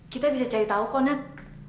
kita bisa cari tahu kok net